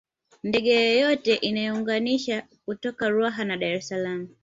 Ndege yoyote inayounganisha kutoka Ruaha na Dar es Salaam